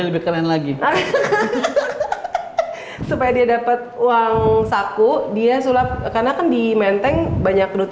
lebih kelen lagi supaya dia dapat uang saku dia sulap karena kan di menteng banyak perut